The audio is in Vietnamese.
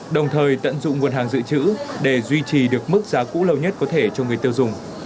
đồng thời tận dụng nguồn hàng dự trữ để duy trì được mức giá cũ lâu nhất có thể cho người tiêu dùng